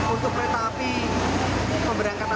untuk pemesanan tiket alhamdulillah